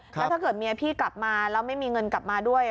แล้วถ้าเกิดเมียพี่กลับมาแล้วไม่มีเงินกลับมาด้วย